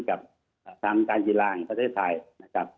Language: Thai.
กับทางการกีฬาแห่งประเทศไทยนะครับ